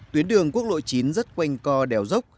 tuyến đường quốc lộ chín rất quanh co đèo dốc